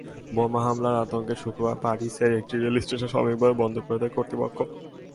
বোমা হামলার আতঙ্কে শুক্রবার প্যারিসের একটি রেলস্টেশন সাময়িকভাবে বন্ধ করে দেয় কর্তৃপক্ষ।